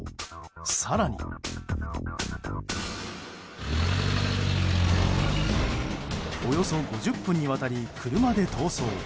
更に、およそ５０分にわたり車で逃走。